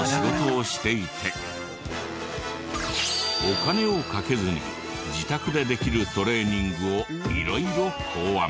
お金をかけずに自宅でできるトレーニングを色々考案。